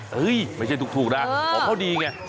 เฮ้ยไม่ใช่นะเหรอก็ดีไง